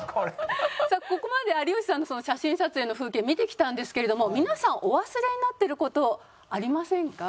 さあここまで有吉さんの写真撮影の風景見てきたんですけれども皆さんお忘れになっている事ありませんか？